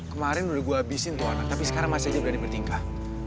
kemarin udah gue habisin tuh anak tapi sekarang masih aja berani bertingkah